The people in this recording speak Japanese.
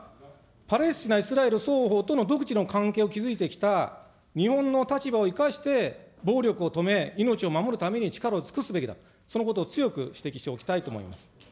パレスチナ、イスラエル双方との独自の関係を築いてきた日本の立場を生かして、暴力を止め、命を守るために力を尽くすべきだと、そのことを強く指摘しておきたいと思います。